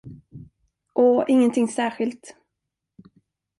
Åh, ingenting särskilt.